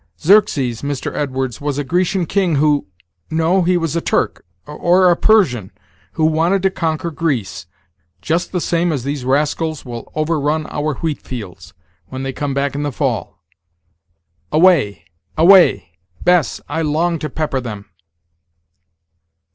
Xerxes, Mr. Edwards, was a Grecian king, who no, he was a Turk, or a Persian, who wanted to conquer Greece, just the same as these rascals will overrun our wheat fields, when they come back in the fall. Away! away! Bess; I long to pepper them."